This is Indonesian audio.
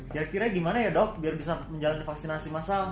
kira kira gimana ya dok biar bisa menjalani vaksinasi masal